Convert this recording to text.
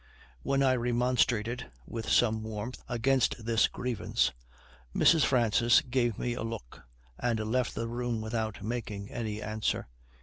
When I remonstrated, with some warmth, against this grievance, Mrs. Francis gave me a look, and left the room without making any answer.